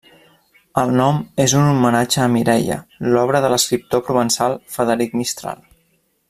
El nom és un homenatge a Mireia, l'obra de l'escriptor provençal Frederic Mistral.